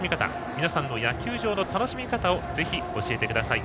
皆さんの野球場の楽しみ方をぜひ教えてください。